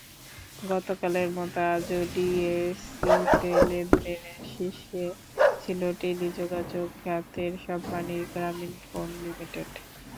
গতকালের মতো আজও ডিএসইতে লেনদেনে শীর্ষে ছিল টেলিযোগাযোগ খাতের কোম্পানি গ্রামীণফোন লিমিটেড।